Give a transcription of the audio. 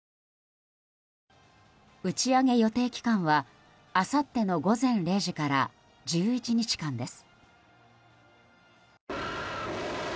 打ち上げ予定期間はあさっての午前０時から１１日間です。